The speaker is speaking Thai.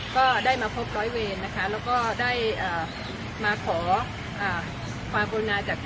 ก็ได้มาพบล้อยเวรและได้มาขอความบรินาจากท่าน